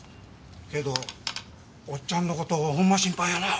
けどおっちゃんの事はほんま心配やなあ。